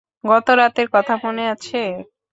গত রাতের কথা মনে আছে?